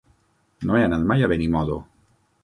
No he anat mai a Benimodo.